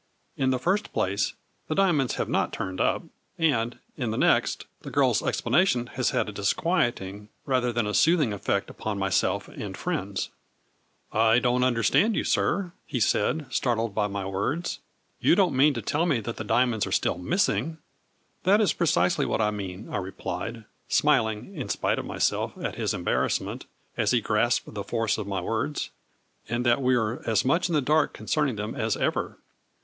" In the first place the diamonds have not turned up, and, in the next, the girl's explanation has had a disquieting rather than a soothing effect upon myself and friends." " I don't understand you, sir," he said, startled by my words, " you don't mean to tell me that the diamonds are still missing ?"" That is precisely what I mean," I replied, smiling in spite of myself, at his embarrassment, as he grasped the force of my words, " and that we are as much in the dark concerning them as ever."